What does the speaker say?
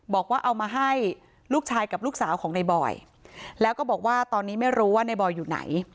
บอกว่าเอามาให้ลูกชายกับลูกสาวของในบอยแล้วก็บอกว่าตอนนี้ไม่รู้ว่าในบอยอยู่ไหน